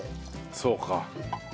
そうか。